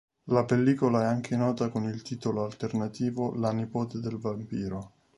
La pellicola è anche nota con il titolo alternativo La nipote del vampiro.